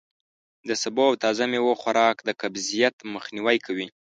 د سبو او تازه میوو خوراک د قبضیت مخنوی کوي.